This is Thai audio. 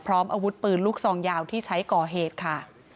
พร้อมอาวุธปืนลูกซองยาวที่ใช้ก่อเหตุค่ะ